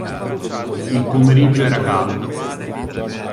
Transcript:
Il pomeriggio era caldo.